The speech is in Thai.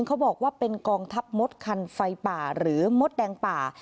เขาบอกว่าเป็นกองทัพมดคันไฟป่าหรือมดแดงป่า